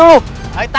ayo tangkap saja mereka